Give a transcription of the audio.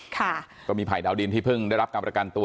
ค่ะก็มีภัยดาวดินที่เพิ่งได้รับการประกันตัว